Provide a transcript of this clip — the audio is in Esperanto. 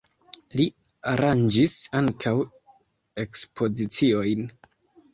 Li aranĝis ankaŭ ekspoziciojn.